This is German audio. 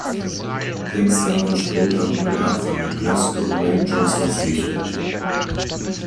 Sechs Jahre später wurde er von den Glasgow Rangers verpflichtet.